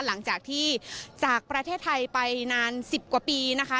หลังจากที่จากประเทศไทยไปนาน๑๐กว่าปีนะคะ